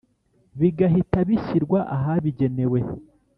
Bbigahita bishyirwa ahabigenewe